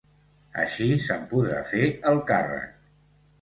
Així se'n podrà fer el càrrec.